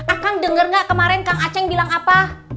akang denger gak kemarin kang aceh bilang apa